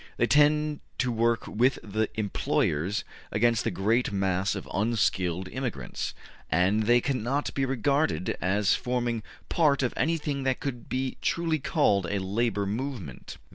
They tend to work with the employers against the great mass of unskilled immigrants, and they cannot be regarded as forming part of anything that could be truly called a labor movement.